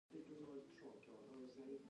زه په منډه د کور د دروازې پلو ته لاړم.